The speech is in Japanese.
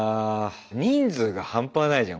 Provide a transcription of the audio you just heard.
人数が半端ないじゃん